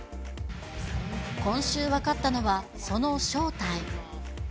今週分かったのは、その正体。